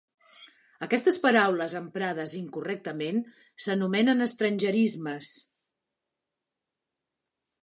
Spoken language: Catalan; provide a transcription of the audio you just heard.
Aquestes paraules emprades incorrectament s’anomenen estrangerismes.